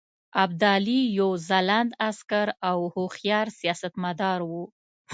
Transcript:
ابدالي یو ځلانده عسکر او هوښیار سیاستمدار وو.